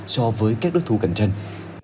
so với các đối thủ cạnh tranh